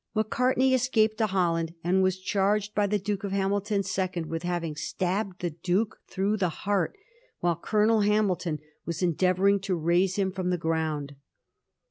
Macartney escaped to Holland, and was •charged by the Duke of Hamilton's second with liaving stabbed the Duke through the heart while €olonel Hanulton was endeavouring to raise him from the ground.